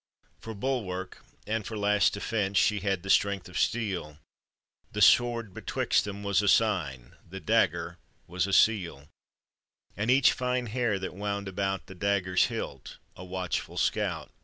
For bulwark and for last defense She had the strength of steel: The sword betwixt them was a sign, The dagger was a seal ; And each fine hair that wound about The dagger's hilt, a watchful scout.